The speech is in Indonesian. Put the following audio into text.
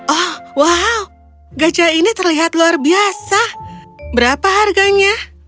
oh wow gajah ini terlihat luar biasa berapa harganya